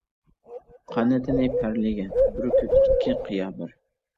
قانىتىنى پەرلىگەن، بۈركۈت ئىككى، قىيا بىر.